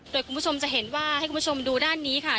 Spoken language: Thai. โดยคุณผู้ชมจะเห็นว่าให้คุณผู้ชมดูด้านนี้ค่ะ